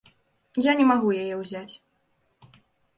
Я не магу яе ўзяць.